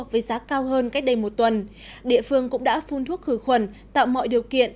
với giá cao hơn cách đây một tuần địa phương cũng đã phun thuốc khử khuẩn tạo mọi điều kiện